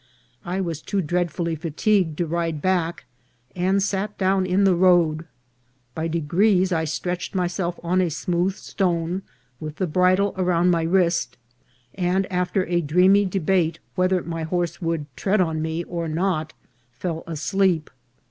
I was too dreadfully fatigued to ride back, and sat down in the road ; by degrees I stretched my self on a smooth stone, with the bridle around my wrist, and, after a dreamy debate whether my horse would tread on me or not, fell asleep.